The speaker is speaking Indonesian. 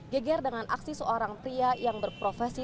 geger dengan aksi seorang pria yang berprofesi